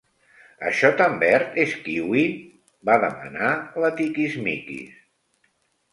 Això tan verd és kiwi? —va demanar la Tiquismiquis.